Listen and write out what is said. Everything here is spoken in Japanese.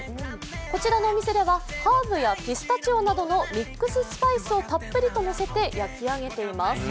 こちらのお店ではハーブやピスタチオなどのミックススパイをたっぷりと乗せて焼き上げています。